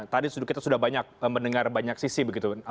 tadi kita sudah banyak mendengar banyak sisi begitu